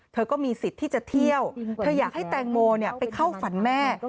เธอก็มีสิทธิ์ที่จะเที่ยวเธออยากให้แตงโมไปเข้าฝันแม่